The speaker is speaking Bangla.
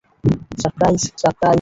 Surprise, surprise!